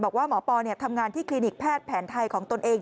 บอกว่าหมอปอทำงานที่คลินิกแพทย์แผนไทยของตนเอง